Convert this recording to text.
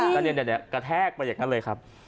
แต่เนี่ยกระแทกไปอย่างนั้นเลยครับ